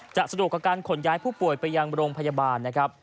สะดวกกับการขนย้ายผู้ป่วยไปยังโรงพยาบาลนะครับ